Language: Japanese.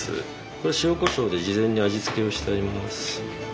これは塩こしょうで事前に味付けをしています。